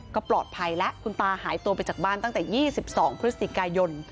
ก็ปลอดภัยแล้วคุณตาหายตัวไปจากบ้านตั้งแต่๒๒พฤศจิกายน